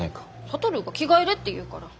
智が着替えれって言うから。